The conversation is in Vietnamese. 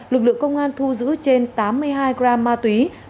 lực lượng công an thu giữ trên tám mươi hai gram ma túy